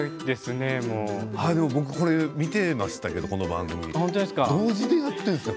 僕は見ていましたけどこの番組同時でやっているんですね。